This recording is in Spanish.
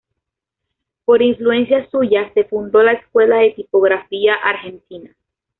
Por influencia suya se fundó la escuela de tipografía argentina.